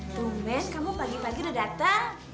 tuh men kamu pagi pagi udah datang